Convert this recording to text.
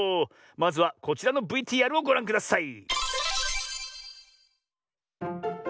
まずはこちらのＶＴＲをごらんください。